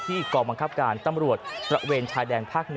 กองบังคับการตำรวจตระเวนชายแดนภาค๑